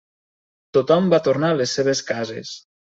Tothom va tornar a les seves cases.